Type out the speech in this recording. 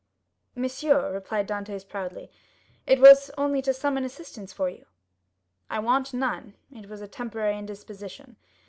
"Monsieur," replied Dantès proudly, "it was only to summon assistance for you." "I want none; it was a temporary indisposition.